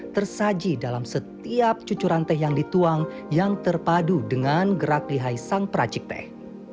tersaji dalam setiap cucuran teh yang dituang yang terpadu dengan gerak lihai sang peracik teh